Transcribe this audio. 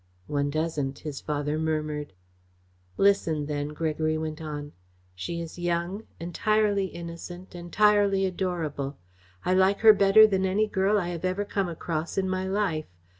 "One doesn't," his father murmured. "Listen then," Gregory went on. "She is young, entirely innocent, entirely adorable. I like her better than any girl I have ever come across in my life.